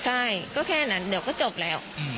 ใช่ก็แค่นั้นเดี๋ยวก็จบแล้ว